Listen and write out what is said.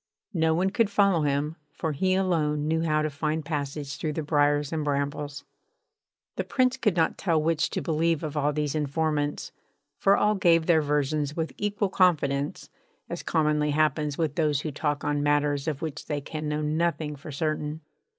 No one could follow him, for he alone knew how to find a passage through the briars and brambles. The Prince could not tell which to believe of all these informants, for all gave their versions with equal confidence, as commonly happens with those who talk on matters of which they can know nothing for certain.